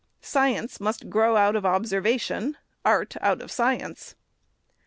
Science must grow out of observation, art out of science.